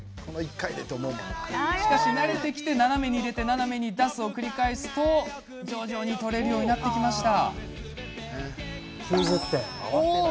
しかし、慣れてきて斜めに入れて斜めに出すを繰り返すと、徐々に取れるようになってきました。